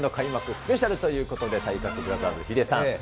スペシャルということで、体格ブラザーズ、ヒデさん。